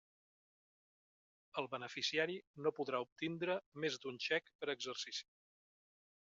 El beneficiari no podrà obtindre més d'un xec per exercici.